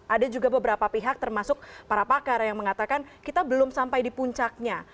ada juga beberapa pihak termasuk para pakar yang mengatakan kita belum sampai di puncaknya